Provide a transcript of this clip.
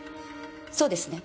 そうですね？